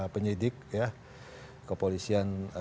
penyidik ya kepolisian